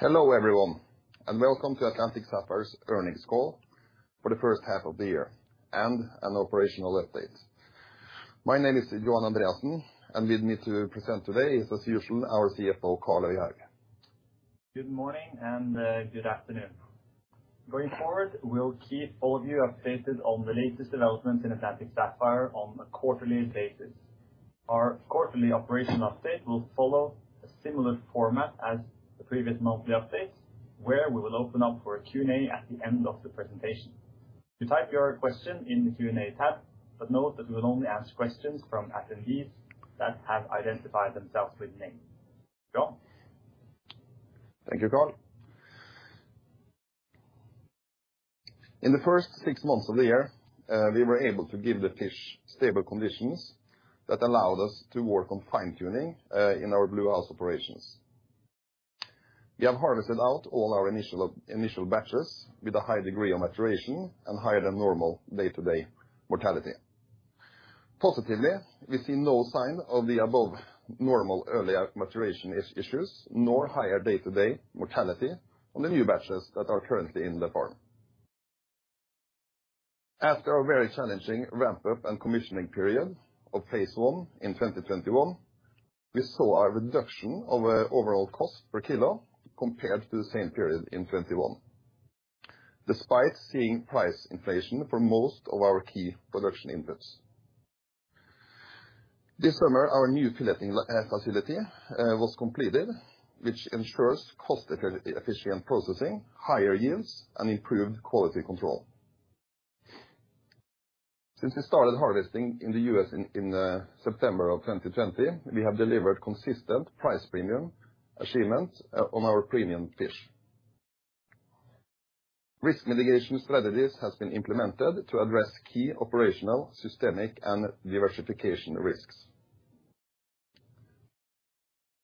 Hello, everyone, and welcome to Atlantic Sapphire's earnings call for the first half of the year and an operational update. My name is Johan Andreassen, and with me to present today is, as usual, our CFO, Karl Øystein Øyehaug. Good morning and good afternoon. Going forward, we will keep all of you updated on the latest developments in Atlantic Sapphire on a quarterly basis. Our quarterly operation update will follow a similar format as the previous monthly updates, where we will open up for a Q&A at the end of the presentation. You type your question in the Q&A tab, but note that we will only ask questions from attendees that have identified themselves with name. Johan. Thank you, Karl Øystein Øyehaug. In the first six months of the year, we were able to give the fish stable conditions that allowed us to work on fine-tuning in our Bluehouse operations. We have harvested out all our initial batches with a high degree of maturation and higher than normal day-to-day mortality. Positively, we see no sign of the above normal early maturation issues, nor higher day-to-day mortality on the new batches that are currently in the farm. After a very challenging ramp-up and commissioning period of phase I in 2021, we saw a reduction of overall cost per kilo compared to the same period in 2021, despite seeing price inflation for most of our key production inputs. This summer, our new filleting facility was completed, which ensures cost efficiency and processing, higher yields and improved quality control. Since we started harvesting in the U.S. in September of 2020, we have delivered consistent price premium achievements on our premium fish. Risk mitigation strategies has been implemented to address key operational, systemic, and diversification risks.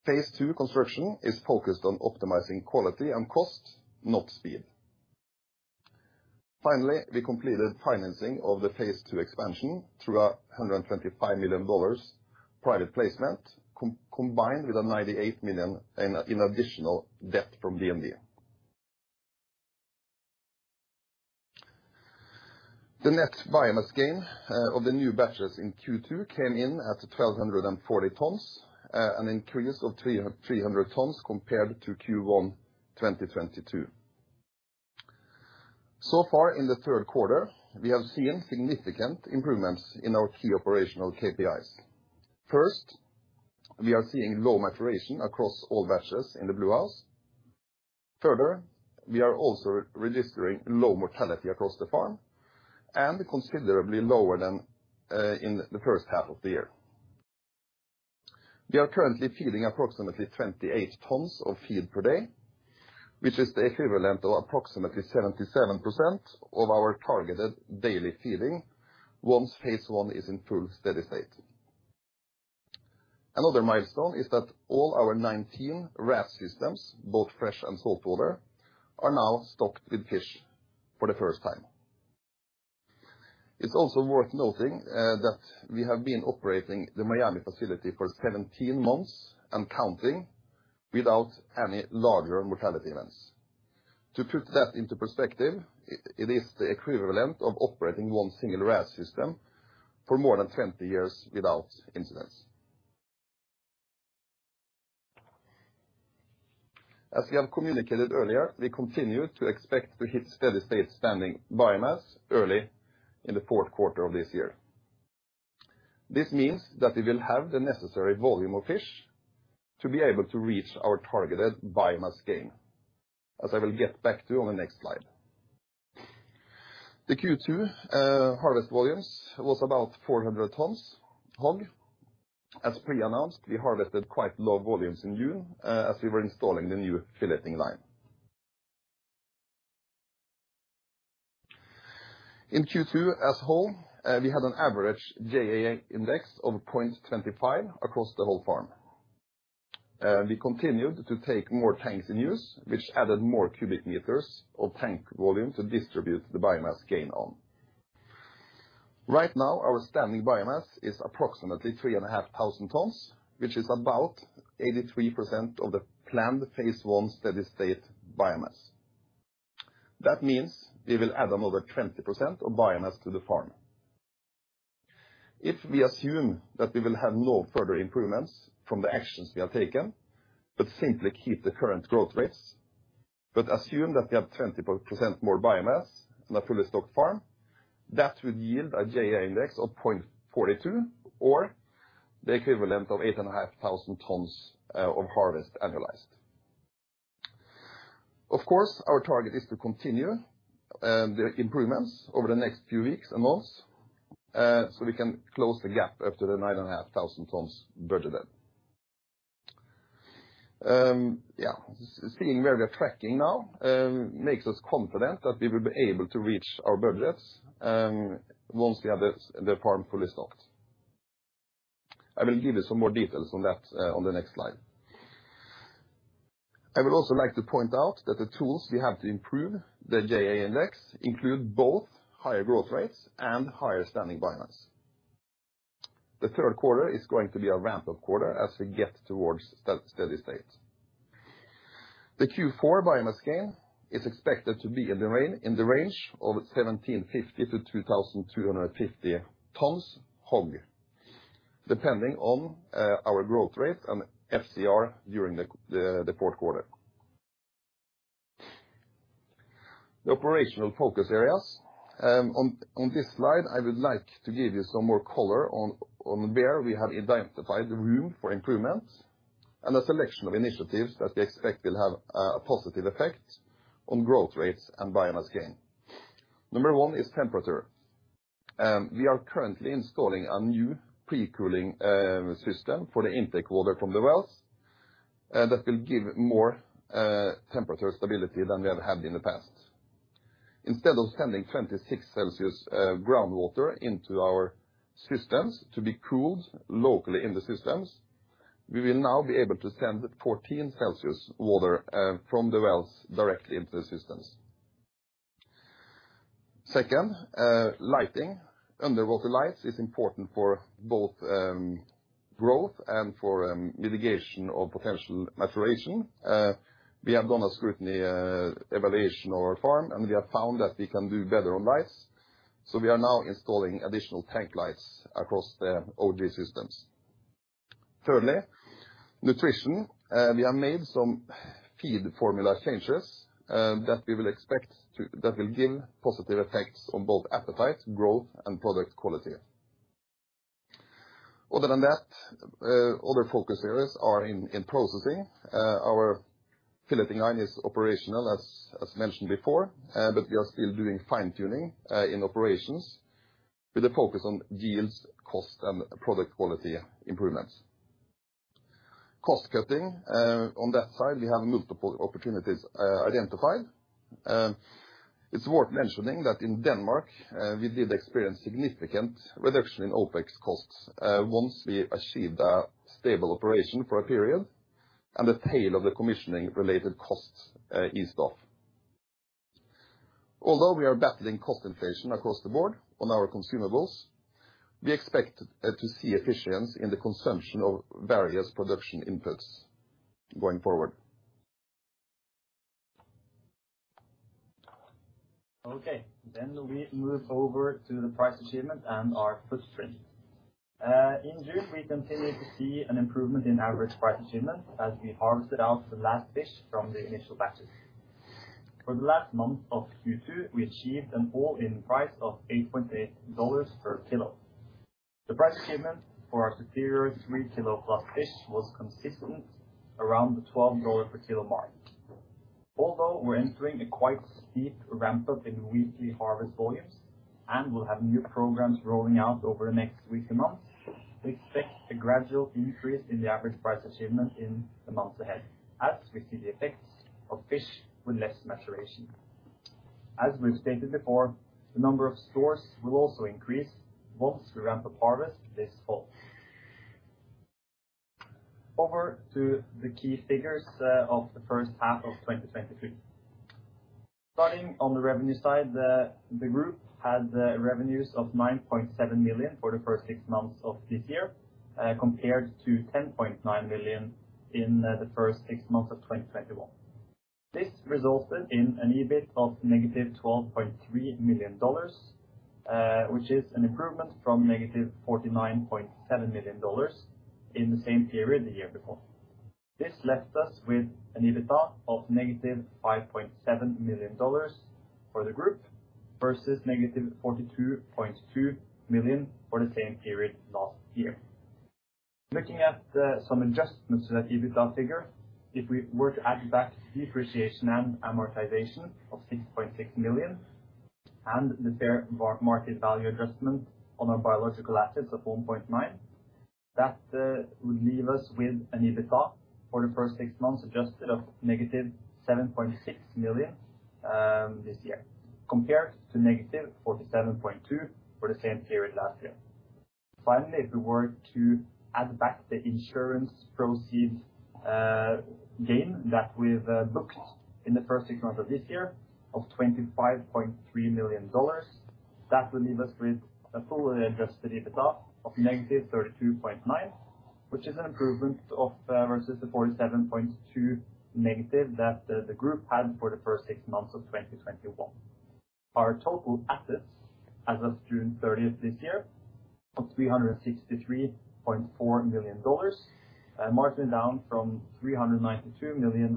Phase II construction is focused on optimizing quality and cost, not speed. Finally, we completed financing of the phase II expansion through a $125 million private placement, combined with a $98 million in additional debt from DNB. The net biomass gain of the new batches in Q2 came in at 1,240 tons, an increase of 300 tons compared to Q1, 2022. So far in the third quarter, we have seen significant improvements in our key operational KPIs. First, we are seeing low maturation across all batches in the Bluehouse. Further, we are also registering low mortality across the farm and considerably lower than in the first half of the year. We are currently feeding approximately 28 tons of feed per day, which is the equivalent of approximately 77% of our targeted daily feeding once phase I is in full steady state. Another milestone is that all our 19 RAS systems, both fresh and saltwater, are now stocked with fish for the first time. It's also worth noting that we have been operating the Miami facility for 17 months and counting without any larger mortality events. To put that into perspective, it is the equivalent of operating one single RAS system for more than 20 years without incidents. As we have communicated earlier, we continue to expect to hit steady-state standing biomass early in the fourth quarter of this year. This means that we will have the necessary volume of fish to be able to reach our targeted biomass gain, as I will get back to on the next slide. The Q2 harvest volumes was about 400 tons HOG. As pre-announced, we harvested quite low volumes in June, as we were installing the new filleting line. In Q2 as a whole, we had an average Jaccard index of 0.25 across the whole farm. We continued to take more tanks in use, which added more cubic meters of tank volume to distribute the biomass gain on. Right now, our standing biomass is approximately 3,500 tons, which is about 83% of the planned phase I steady-state biomass. That means we will add another 20% of biomass to the farm. If we assume that we will have no further improvements from the actions we have taken, but simply keep the current growth rates, but assume that we have 20% more biomass in a fully stocked farm, that would yield a Jaccard index of 0.42 or the equivalent of 8,500 tons of harvest annualized. Of course, our target is to continue the improvements over the next few weeks and months, so we can close the gap up to the 9,500 tons budgeted. Seeing where we are tracking now makes us confident that we will be able to reach our budgets once we have the farm fully stocked. I will give you some more details on that on the next slide. I would also like to point out that the tools we have to improve the Jaccard index include both higher growth rates and higher standing biomass. The third quarter is going to be a ramp-up quarter as we get towards steady state. The Q4 biomass gain is expected to be in the range of 1,750 tons-2,350 tons HOG, depending on our growth rate and FCR during the fourth quarter. The operational focus areas. On this slide, I would like to give you some more color on where we have identified room for improvement and a selection of initiatives that we expect will have a positive effect on growth rates and biomass gain. Number one is temperature. We are currently installing a new pre-cooling system for the intake water from the wells that will give more temperature stability than we have had in the past. Instead of sending 26 degrees Celsius groundwater into our systems to be cooled locally in the systems, we will now be able to send 14 degrees Celsius water from the wells directly into the systems. Second, lighting. Underwater lights is important for both growth and for mitigation of potential maturation. We have done a scrutiny evaluation of our farm, and we have found that we can do better on lights. We are now installing additional tank lights across the OG systems. Thirdly, nutrition. We have made some feed formula changes that will give positive effects on both appetite, growth and product quality. Other than that, other focus areas are in processing. Our filleting line is operational as mentioned before, but we are still doing fine tuning in operations with a focus on yields, cost and product quality improvements. Cost cutting. On that side, we have multiple opportunities identified. It's worth mentioning that in Denmark, we did experience significant reduction in OpEx costs once we achieved a stable operation for a period, and the tail of the commissioning related costs eased off. Although we are battling cost inflation across the board on our consumables, we expect to see efficiency in the consumption of various production inputs going forward. Okay. We move over to the price achievement and our footprint. In June, we continued to see an improvement in average price achievement as we harvested out the last fish from the initial batches. For the last month of Q2, we achieved an all-in price of $8.8 per kilo. The price achievement for our superior three-kilo-plus fish was consistent around the $12 per kilo mark. Although we're entering a quite steep ramp-up in weekly harvest volumes and will have new programs rolling out over the next weeks and months, we expect a gradual increase in the average price achievement in the months ahead as we see the effects of fish with less maturation. As we've stated before, the number of stores will also increase once we ramp up harvest this fall. Over to the key figures of the first half of 2023. Starting on the revenue side, the group had revenues of $9.7 million for the first six months of this year, compared to $10.9 million in the first six months of 2021. This resulted in an EBIT of -$12.3 million, which is an improvement from -$49.7 million in the same period the year before. This left us with an EBITDA of -$5.7 million for the group versus -$42.2 million for the same period last year. Looking at some adjustments to that EBITDA figure, if we were to add back depreciation and amortization of $6.6 million and the fair market value adjustment on our biological assets of $1.9 million, that would leave us with an EBITDA for the first six months adjusted of -$7.6 million this year, compared to -$47.2 million for the same period last year. Finally, if we were to add back the insurance proceeds gain that we've booked in the first six months of this year of $25.3 million, that would leave us with a fully adjusted EBITDA of -$32.9 million, which is an improvement of versus the -$47.2 million that the group had for the first six months of 2021. Our total assets as of June 30th this year of $363.4 million, marginally down from $392 million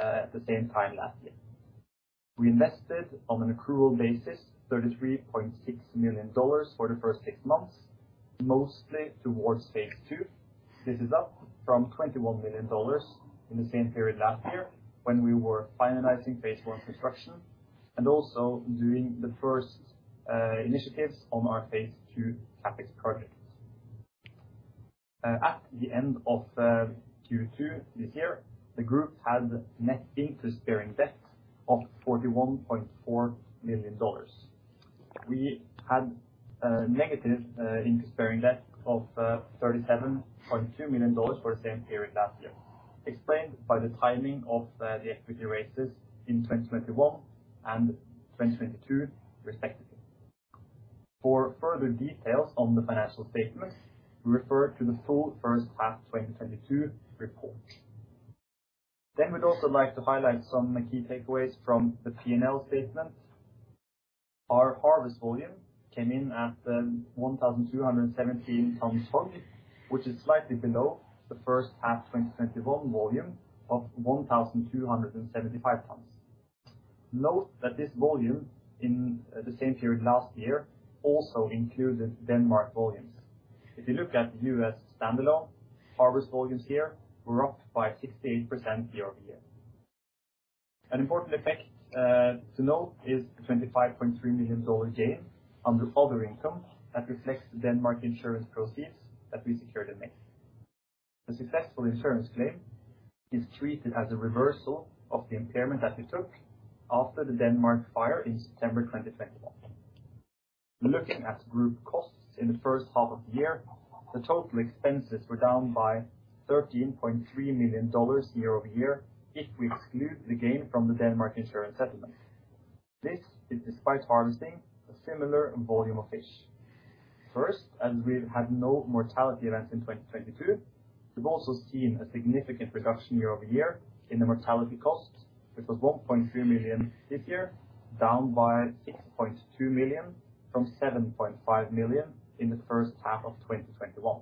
at the same time last year. We invested on an accrual basis, $33.6 million for the first six months, mostly towards phase II. This is up from $21 million in the same period last year when we were finalizing phase I construction and also doing the first initiatives on our phase II CapEx projects. At the end of Q2 this year, the group had net interest-bearing debt of $41.4 million. We had a negative interest-bearing debt of $37.2 million for the same period last year. Explained by the timing of the equity raises in 2021 and 2022 respectively. For further details on the financial statements, refer to the full first half 2022 report. We'd also like to highlight some key takeaways from the P&L statement. Our harvest volume came in at 1,217 tons whole, which is slightly below the first half 2021 volume of 1,275 tons. Note that this volume in the same period last year also included Denmark volumes. If you look at U.S. standalone, harvest volumes here were up by 68% year-over-year. An important effect to note is the $25.3 million gain under other income that reflects the Denmark insurance proceeds that we secured in May. The successful insurance claim is treated as a reversal of the impairment that we took after the Denmark fire in September 2021. Looking at group costs in the first half of the year, the total expenses were down by $13.3 million year-over-year if we exclude the gain from the Denmark insurance settlement. This is despite harvesting a similar volume of fish. First, as we've had no mortality events in 2022, we've also seen a significant reduction year-over-year in the mortality cost, which was $1.3 million this year, down by $6.2 million from $7.5 million in the first half of 2021.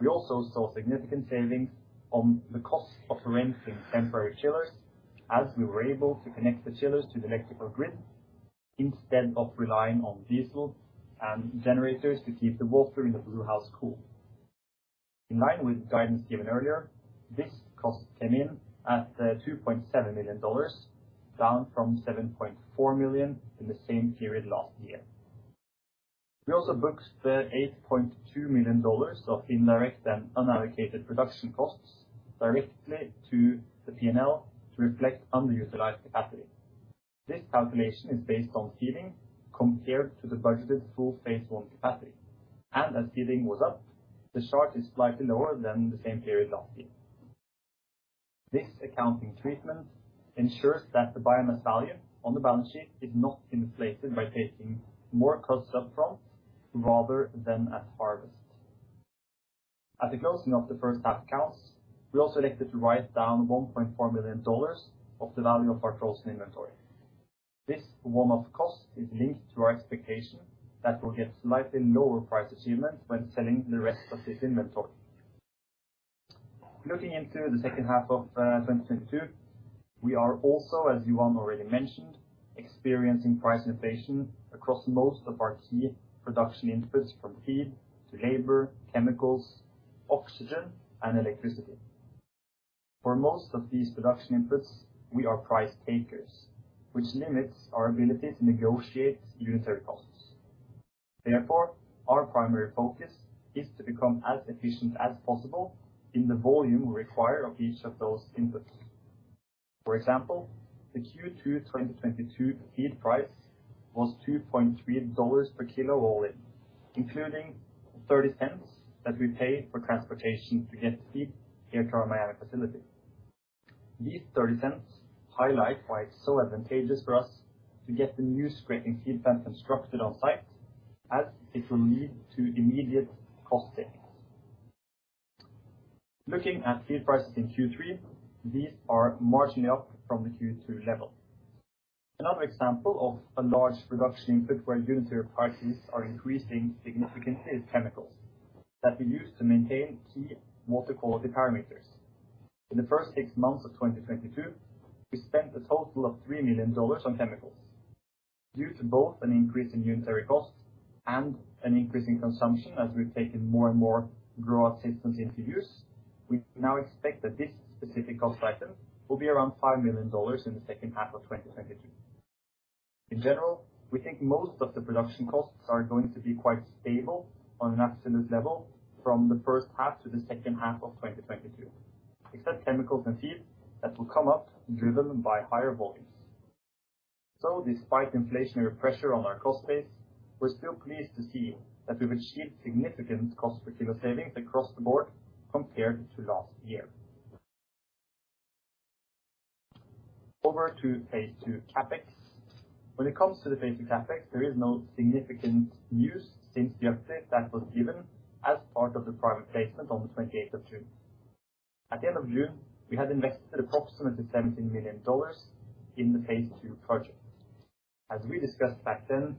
We also saw significant savings on the cost of renting temporary chillers as we were able to connect the chillers to the electrical grid instead of relying on diesel and generators to keep the water in the Bluehouse cool. In line with guidance given earlier, this cost came in at $2.7 million, down from $7.4 million in the same period last year. We also booked the $8.2 million of indirect and unallocated production costs directly to the P&L to reflect underutilized capacity. This calculation is based on feeding compared to the budgeted full phase I capacity. As feeding was up, the charge is slightly lower than the same period last year. This accounting treatment ensures that the biomass value on the balance sheet is not inflated by taking more costs up front rather than at harvest. At the closing of the first half accounts, we also elected to write down $1.4 million of the value of our trout in inventory. This one-off cost is linked to our expectation that we'll get slightly lower price achievements when selling the rest of this inventory. Looking into the second half of 2022, we are also, as Johan already mentioned, experiencing price inflation across most of our key production inputs from feed to labor, chemicals, oxygen, and electricity. For most of these production inputs, we are price takers, which limits our ability to negotiate unitary costs. Therefore, our primary focus is to become as efficient as possible in the volume required of each of those inputs. For example, the Q2 2022 feed price was $2.3 per kilo all in, including 30 cents that we pay for transportation to get feed here to our Miami facility. These $0.30 highlight why it's so advantageous for us to get the new Skretting feed plant constructed on site as it will lead to immediate cost savings. Looking at feed prices in Q3, these are marginally up from the Q2 level. Another example of a large production input where unit prices are increasing significantly is chemicals that we use to maintain key water quality parameters. In the first six months of 2022, we spent a total of $3 million on chemicals. Due to both an increase in unit costs and an increase in consumption as we've taken more and more on-growing systems into use, we now expect that this specific cost item will be around $5 million in the second half of 2022. In general, we think most of the production costs are going to be quite stable on an absolute level from the first half to the second half of 2022. Except chemicals and feed that will come up driven by higher volumes. Despite inflationary pressure on our cost base, we're still pleased to see that we've achieved significant cost per kilo savings across the board compared to last year. Over to phase II CapEx. When it comes to the phase II CapEx, there is no significant news since the update that was given as part of the private placement on the 28th of June. At the end of June, we had invested approximately $17 million in the phase II project. As we discussed back then,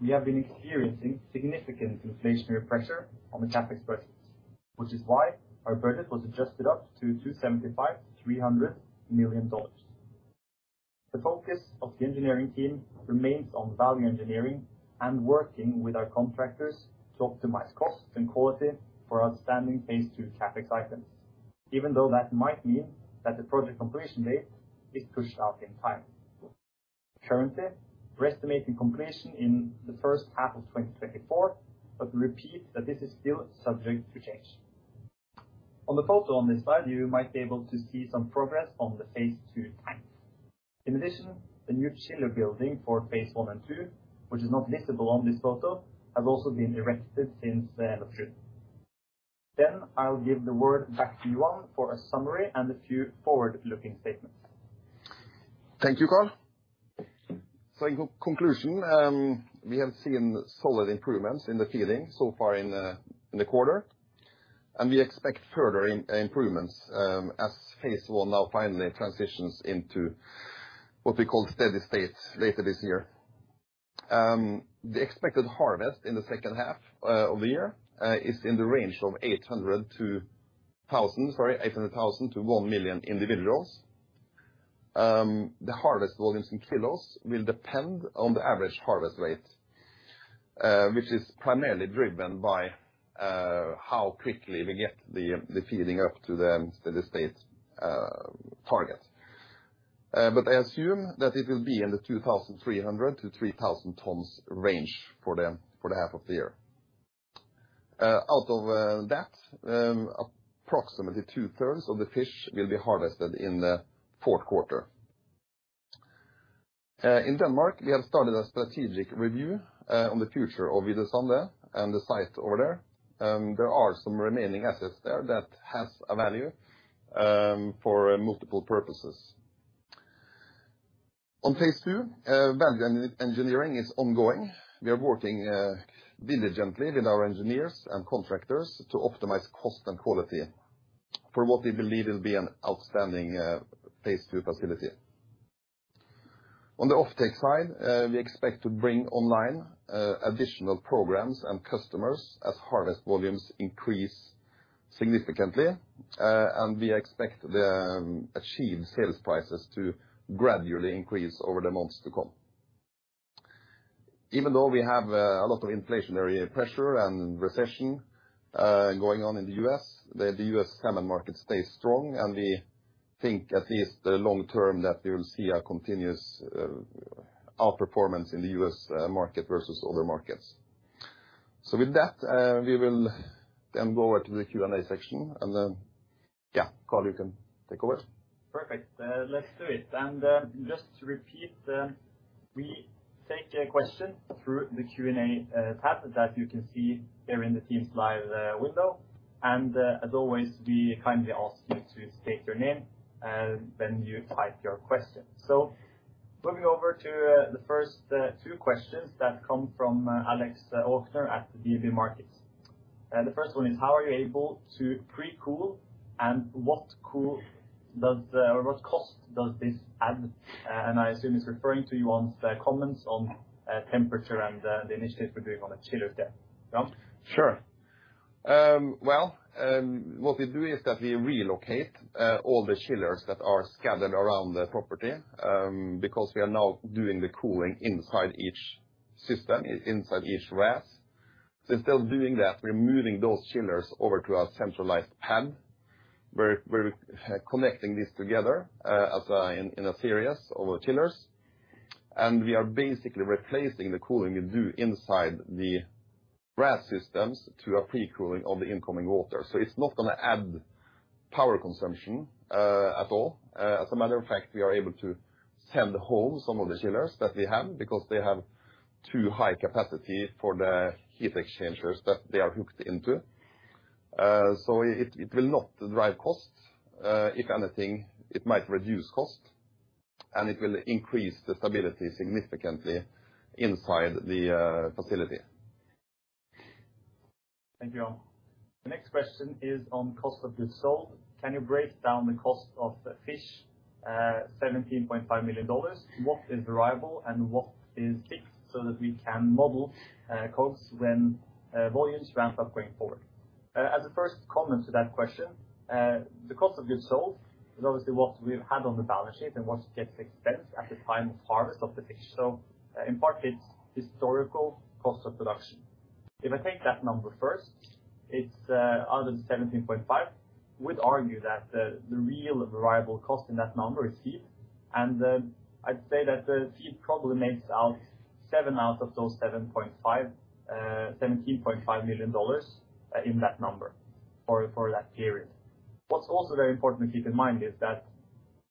we have been experiencing significant inflationary pressure on the CapEx budget, which is why our budget was adjusted up to $275 million-$300 million. The focus of the engineering team remains on value engineering and working with our contractors to optimize costs and quality for outstanding phase II CapEx items, even though that might mean that the project completion date is pushed out in time. Currently, we're estimating completion in the first half of 2024, but we repeat that this is still subject to change. On the photo on this slide, you might be able to see some progress on the phase II tank. In addition, the new chiller building for phase I and phase II, which is not visible on this photo, has also been erected since the end of June. I'll give the word back to Johan for a summary and a few forward-looking statements. Thank you, Karl. In conclusion, we have seen solid improvements in the feeding so far in the quarter, and we expect further improvements as phase I now finally transitions into what we call steady state later this year. The expected harvest in the second half of the year is in the range of 800,000 individuals-1,000,000 individuals. The harvest volumes in kilos will depend on the average harvest rate, which is primarily driven by how quickly we get the feeding up to the steady state target. I assume that it will be in the 2,300 tons-3,000 tons range for the half of the year. Out of that, approximately two-thirds of the fish will be harvested in the fourth quarter. In Denmark, we have started a strategic review on the future of Hvide Sande and the site over there. There are some remaining assets there that has a value for multiple purposes. On phase II, value engineering is ongoing. We are working diligently with our engineers and contractors to optimize cost and quality for what we believe will be an outstanding phase II facility. On the offtake side, we expect to bring online additional programs and customers as harvest volumes increase significantly. We expect the achieved sales prices to gradually increase over the months to come. Even though we have a lot of inflationary pressure and recession going on in the U.S., the U.S. salmon market stays strong, and we think, at least the long term, that we will see a continuous outperformance in the U.S. market versus other markets. With that, we will then go over to the Q&A section and then. Yeah, Karl Øystein Øyehaug, you can take over. Perfect. Let's do it. Just to repeat, we take a question through the Q&A tab that you can see here in the team's live window. As always, we kindly ask you to state your name when you type your question. Moving over to the first two questions that come from Alex Aukner at DNB Markets. The first one is: How are you able to pre-cool, and what cost does this add? I assume it's referring to Johan's comments on temperature and the initiatives we're doing on the chiller there. Johan. Sure. Well, what we do is that we relocate all the chillers that are scattered around the property, because we are now doing the cooling inside each system, inside each RAS. Instead of doing that, we're moving those chillers over to a centralized pad where we're connecting this together, as in a series of chillers. We are basically replacing the cooling we do inside the RAS systems through a pre-cooling of the incoming water, so it's not gonna add power consumption at all. As a matter of fact, we are able to send home some of the chillers that we have because they have too high capacity for the heat exchangers that they are hooked into. It will not drive costs. If anything, it might reduce cost, and it will increase the stability significantly inside the facility. Thank you. The next question is on cost of goods sold. Can you break down the cost of the fish, $17.5 million? What is variable and what is fixed so that we can model costs when volumes ramp up going forward? As a first comment to that question, the cost of goods sold is obviously what we've had on the balance sheet and what gets expensed at the time of harvest of the fish. In part, it's historical cost of production. If I take that number first, it's out of the $17.5 million, we'd argue that the real variable cost in that number is feed. I'd say that the feed probably makes up $7 million out of the $17.5 million in that number for that period. What's also very important to keep in mind is that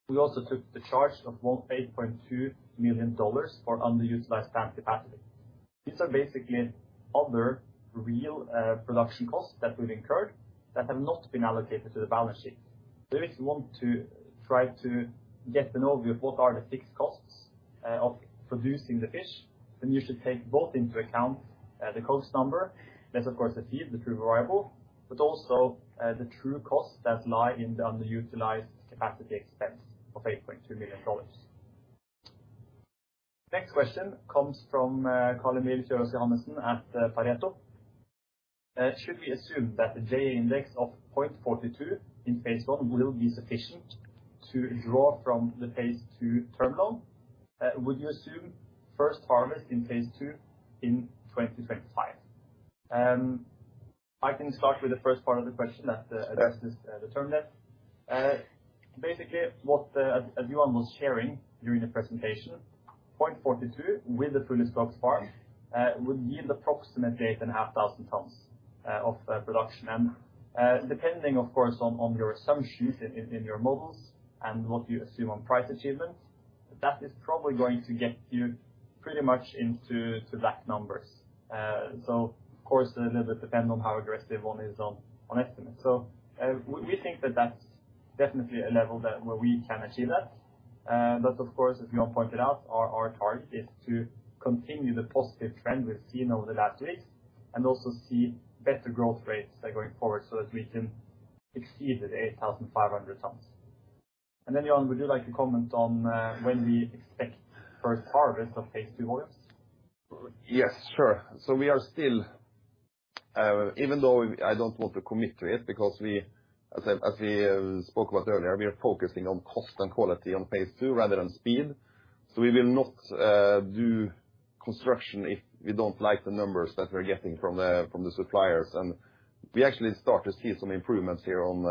we also took the charge of $8.2 million for underutilized plant capacity. These are basically other real production costs that we've incurred that have not been allocated to the balance sheet. If you want to try to get an overview of what are the fixed costs of producing the fish, then you should take both into account the cost number. That's of course the feed, the true variable, but also the true costs that lie in the underutilized capacity expense of $8.2 million. Next question comes from Carl-Emil Kjølås Johannessen at Pareto. Should we assume that the Jaccard index of 0.42 in phase I will be sufficient to draw from the phase II terminal? Would you assume first harvest in phase II in 2025? I can start with the first part of the question that addresses the term debt. Basically, as Johan was sharing during the presentation, point 42 with the fully stocked farm would yield approximately 8,500 tons of production. Depending, of course, on your assumptions in your models and what you assume on price achievements, that is probably going to get you pretty much into that numbers. Of course, a little bit depends on how aggressive one is on estimates. We think that that's definitely a level that where we can achieve that. Of course, as Johan pointed out, our target is to continue the positive trend we've seen over the last years and also see better growth rates going forward so that we can exceed 8,500 tons. Johan, would you like to comment on when we expect first harvest of Phase II oils? Yes, sure. We are still, even though I don't want to commit to it because as we spoke about earlier, we are focusing on cost and quality on phase II rather than speed. We will not do construction if we don't like the numbers that we're getting from the suppliers. We actually start to see some improvements here on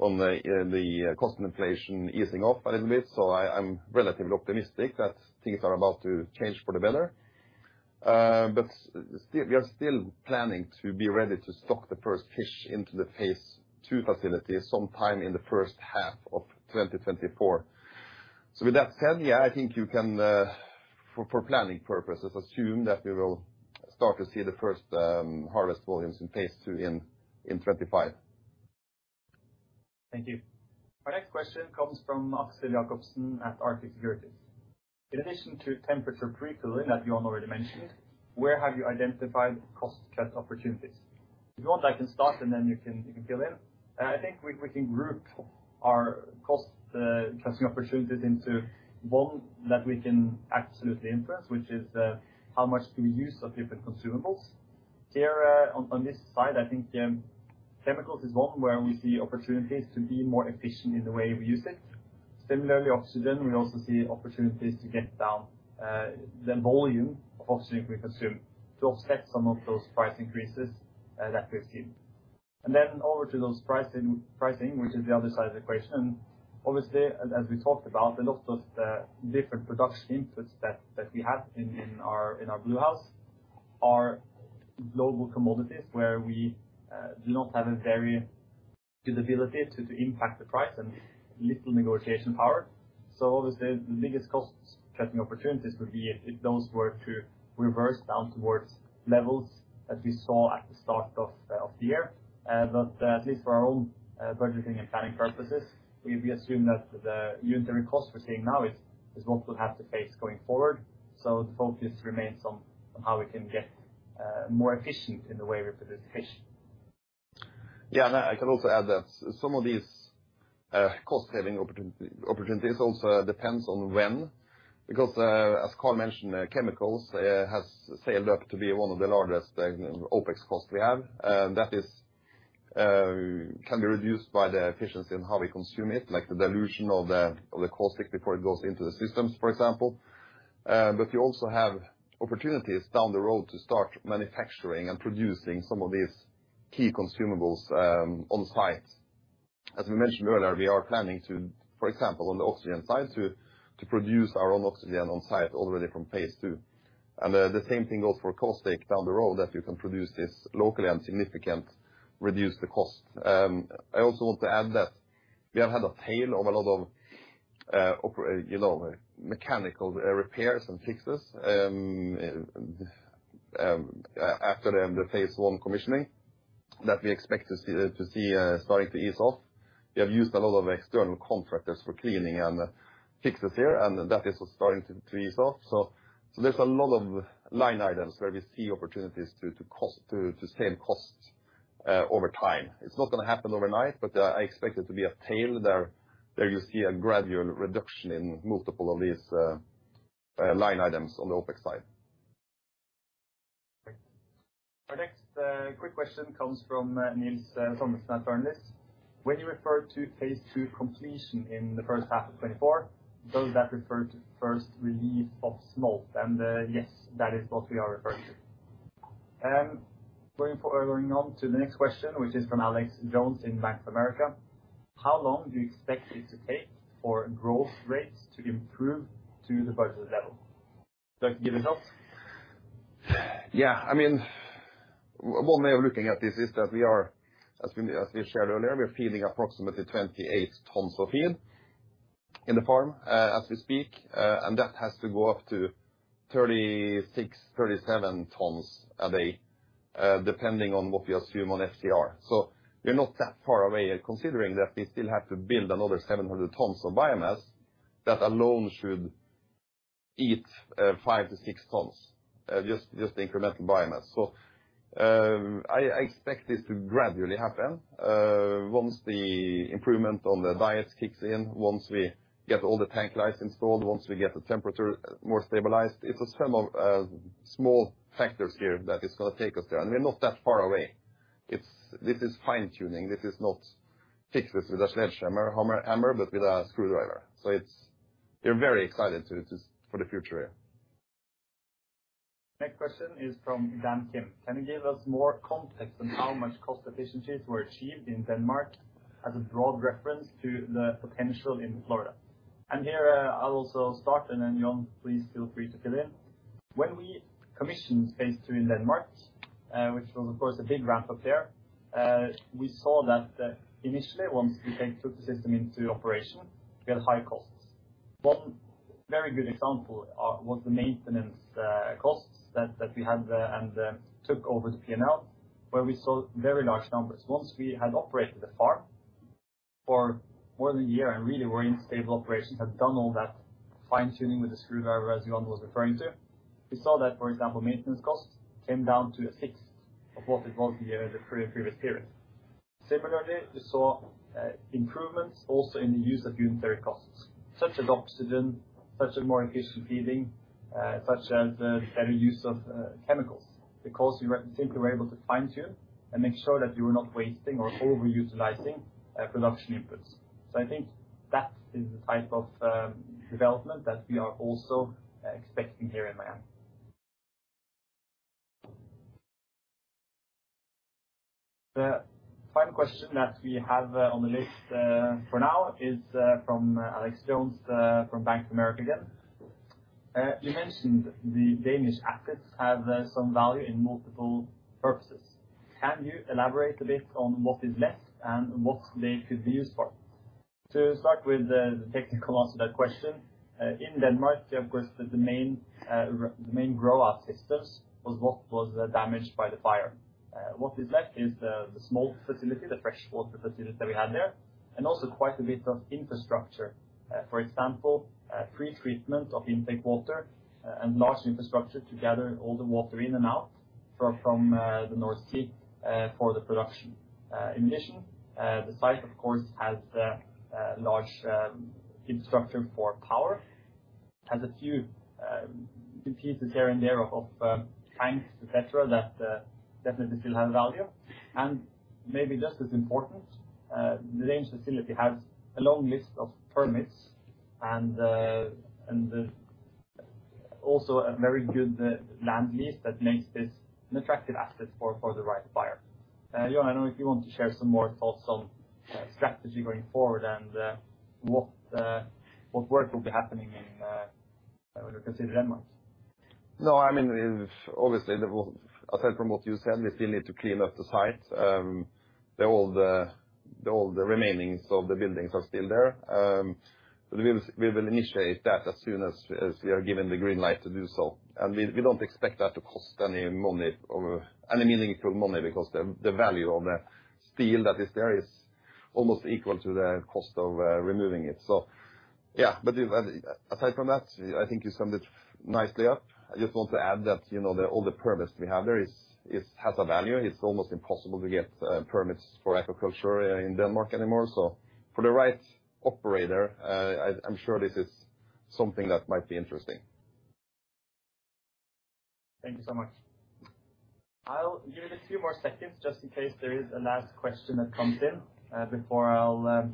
the cost inflation easing off a little bit. I'm relatively optimistic that things are about to change for the better. We are still planning to be ready to stock the first fish into the phase II facility sometime in the first half of 2024. With that said, yeah, I think you can for planning purposes assume that we will start to see the first harvest volumes in phase II in 2025. Thank you. Our next question comes from Axel Jacobsen at Arctic Securities. In addition to temperature pre-cooling that Johan already mentioned, where have you identified cost cut opportunities? If you want I can start and then you can fill in. I think we can group our cost cutting opportunities into one that we can absolutely influence, which is how much do we use of different consumables. Here on this side, I think chemicals is one where we see opportunities to be more efficient in the way we use it. Similarly, oxygen, we also see opportunities to get down the volume of oxygen we consume to offset some of those price increases that we've seen. Over to those pricing, which is the other side of the equation. Obviously, as we talked about, a lot of different production inputs that we have in our Bluehouse are global commodities where we do not have a very good ability to impact the price and little negotiation power. Obviously, the biggest cost cutting opportunities would be if those were to reverse down towards levels as we saw at the start of the year. At least for our own budgeting and planning purposes, we assume that the unit costs we're seeing now is what we'll have to face going forward. The focus remains on how we can get more efficient in the way we produce fish. Yeah. I can also add that some of these cost saving opportunities also depends on when, because as Karl mentioned, chemicals has scaled up to be one of the largest OpEx costs we have. That can be reduced by the efficiency in how we consume it, like the dilution of the caustic before it goes into the systems, for example. But you also have opportunities down the road to start manufacturing and producing some of these key consumables on site. As we mentioned earlier, we are planning to, for example, on the oxygen side, to produce our own oxygen on site already from phase II. The same thing goes for caustic down the road, that we can produce this locally and significantly reduce the cost. I also want to add that we have had a tail of a lot of, you know, mechanical repairs and fixes after the phase I commissioning that we expect to see starting to ease off. We have used a lot of external contractors for cleaning and fixes here, and that is starting to ease off. There's a lot of line items where we see opportunities to save costs over time. It's not gonna happen overnight, but I expect it to be a tail there, where you see a gradual reduction in multiple of these line items on the OpEx side. Our next quick question comes from Nils Thommesen at Fearnley Securities. When you refer to phase II completion in the first half of 2024, does that refer to first release of smolt? Yes, that is what we are referring to. Going on to the next question, which is from Alex Jones in Bank of America. How long do you expect it to take for growth rates to improve to the budget level? Do you want to give this, Johan? Yeah. I mean, one way of looking at this is that we are, as we shared earlier, we are feeding approximately 28 tons of feed in the farm, as we speak. That has to go up to 36 tons, 37 tons a day, depending on what we assume on FCR. We're not that far away, considering that we still have to build another 700 tons of biomass. That alone should eat five tons-six tons, just incremental biomass. I expect this to gradually happen, once the improvement on the diets kicks in, once we get all the tank lights installed, once we get the temperature more stabilized. It's a sum of small factors here that is gonna take us there, and we're not that far away. This is fine-tuning. This is not fixed with a sledgehammer, but with a screwdriver. We're very excited for the future here. Next question is from Dan Kim. Can you give us more context on how much cost efficiencies were achieved in Denmark as a broad reference to the potential in Florida? Here, I'll also start and then Johan Andreassen, please feel free to fill in. When we commissioned phase II in Denmark, which was of course a big ramp up there, we saw that initially, once we took the system into operation, we had high costs. One very good example was the maintenance costs that we had and took over the P&L, where we saw very large numbers. Once we had operated the farm for more than a year and really were in stable operations, had done all that fine-tuning with the screwdriver, as Johan was referring to, we saw that, for example, maintenance costs came down to a sixth of what it was the previous period. Similarly, we saw improvements also in the use of unit costs, such as oxygen, such as more efficient feeding, such as better use of chemicals. Because we were simply able to fine-tune and make sure that we were not wasting or overutilizing production inputs. I think that is the type of development that we are also expecting here in Miami. The final question that we have on the list for now is from Alexander Jones from Bank of America again. You mentioned the Danish assets have some value in multiple purposes. Can you elaborate a bit on what is left and what they could be used for? To start with the technical answer to that question. In Denmark, of course, the main grow out systems was what was damaged by the fire. What is left is the small facility, the fresh water facility that we had there, and also quite a bit of infrastructure. For example, pre-treatment of intake water, and large infrastructure to gather all the water in and out from the North Sea, for the production. In addition, the site of course has a large infrastructure for power. Has a few pieces here and there of tanks, et cetera, that definitely still have value. Maybe just as important, the Danish facility has a long list of permits and also a very good land lease that makes this an attractive asset for the right buyer. Johan Andreassen, I don't know if you want to share some more thoughts on strategy going forward and what work will be happening when you consider Denmark. No, I mean, obviously aside from what you said, we still need to clean up the site. All the remains of the buildings are still there. We will initiate that as soon as we are given the green light to do so. We don't expect that to cost any money or any meaningful money because the value of the steel that is there is almost equal to the cost of removing it. Yeah. Aside from that, I think you summed it nicely up. I just want to add that, you know, all the permits we have there has a value. It's almost impossible to get permits for aquaculture in Denmark anymore. For the right operator, I'm sure this is something that might be interesting. Thank you so much. I'll give it a few more seconds just in case there is a last question that comes in before I'll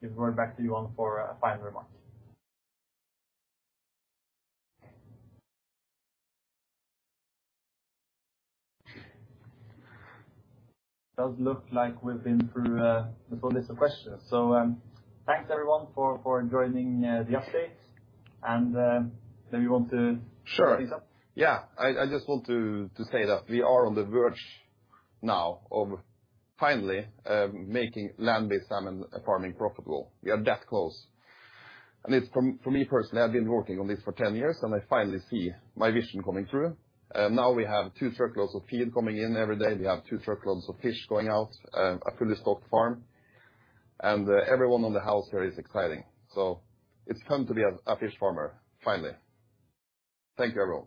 give the word back to you for a final remark. It does look like we've been through this list of questions. Thanks everyone for joining the update. Maybe you want to. Sure. Wrap this up? Yeah. I just want to say that we are on the verge now of finally making land-based salmon farming profitable. We are that close. It's for me personally. I've been working on this for 10 years and I finally see my vision coming through. Now we have two truckloads of feed coming in every day. We have two truckloads of fish going out, a fully stocked farm. Everyone in the house here is excited. It's fun to be a fish farmer finally. Thank you everyone.